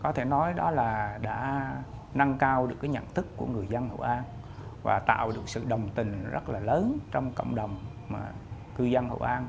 có thể nói đó là đã nâng cao được cái nhận thức của người dân hội an và tạo được sự đồng tình rất là lớn trong cộng đồng cư dân hội an